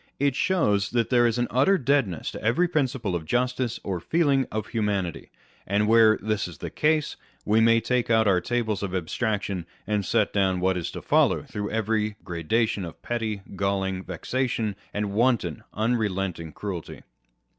It shows that there is an utter deadness to every principle of justice or feeling of humanity ; and where this is the case, we may take out our tables of abstraction, and set down what is to follow through every gradation of petty, galling vexation, and wanton, unrelent ing cruelty.